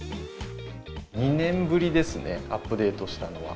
２年ぶりですね、アップデートしたのは。